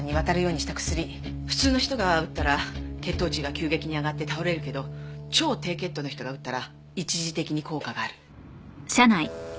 普通の人が打ったら血糖値が急激に上がって倒れるけど超低血糖の人が打ったら一時的に効果がある。